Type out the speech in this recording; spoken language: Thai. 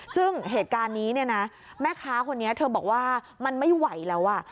ซึ่งเหตุการณ์นี้แม่คะคนนี้เธอบอกว่ามันไม่ไหวแล้ว